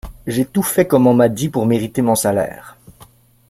J’ai tout fait comme on m’a dit pour mériter mon salaire.